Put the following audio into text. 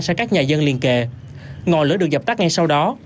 sang các nhà dân liên kề ngọn lửa được dập tắt ngay sau đó